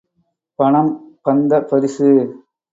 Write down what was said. பணம் பந்த பரிசு!